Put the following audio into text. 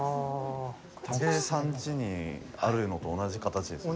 武井さん家にあるのと同じ形ですよね。